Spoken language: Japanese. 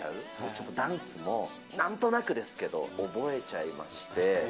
ちょっとダンスも、なんとなくですけど、覚えちゃいまして。